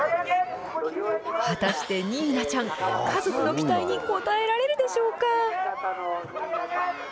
果たして、仁南ちゃん、家族の期待に応えられるでしょうか。